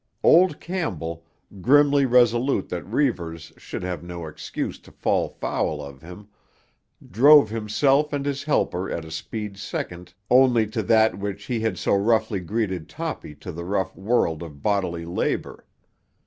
Old Campbell, grimly resolute that Reivers should have no excuse to fall foul of him, drove himself and his helper at a speed second only to that with which he had so roughly greeted Toppy to the rough world of bodily labour.